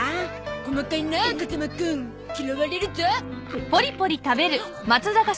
細かいな風間くん。嫌われるゾ。